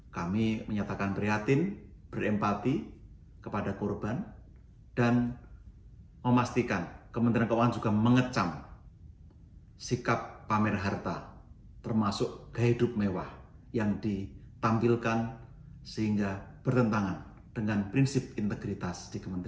kami menyatakan prihatin berempati kepada korban dan memastikan kementerian keuangan juga mengecam sikap pamer harta termasuk gaya hidup mewah yang ditampilkan sehingga bertentangan dengan prinsip integritas di kementerian